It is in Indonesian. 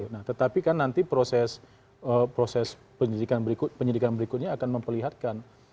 nah tetapi kan nanti proses penyidikan berikutnya akan memperlihatkan